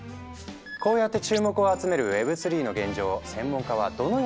こうやって注目を集めるＷｅｂ３の現状を専門家はどのように見ているのか。